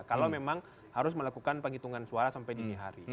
kalau memang harus melakukan penghitungan suara sampai dini hari